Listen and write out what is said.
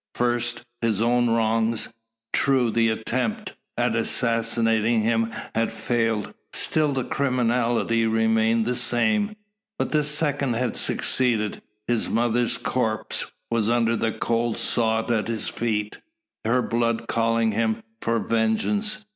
First, his own wrongs. True the attempt at assassinating him had failed; still the criminality remained the same. But the second had succeeded. His mother's corpse was under the cold sod at his feet, her blood calling to him for vengeance.